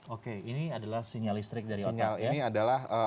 oke ini adalah sinyal listrik dari otak ya